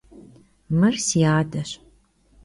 Mır si adeş.